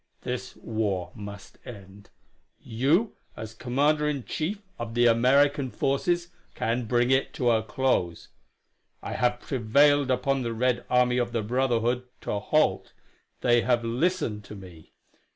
This war must end. You, as Commander in Chief of the American forces can bring it to a close. I have prevailed upon the Red Army of the Brotherhood to halt. They have listened to me.